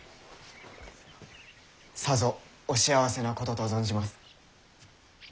さぞお幸せなことと存じます。